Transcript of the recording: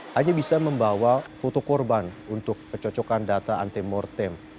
hanya bisa membawa foto korban untuk kecocokan data antemortem